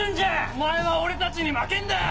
お前は俺たちに負けんだよ！